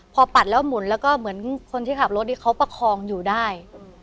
พอปัดแล้วหมุนแล้วก็เหมือนคนที่ขับรถที่เขาประคองอยู่ได้